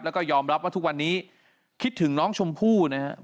แล้วก็ยอมรับว่าทุกวันนี้คิดถึงน้องชมพู่นะครับ